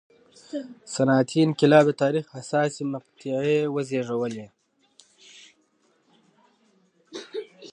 صنعتي انقلاب د تاریخ حساسې مقطعې وزېږولې.